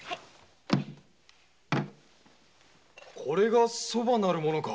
これがソバなるものか？